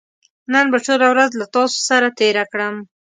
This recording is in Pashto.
نن به ټوله ورځ له تاسو سره تېره کړم